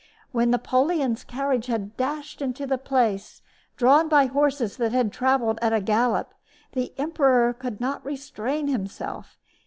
When Napoleon's carriage dashed into the place, drawn by horses that had traveled at a gallop, the emperor could not restrain himself.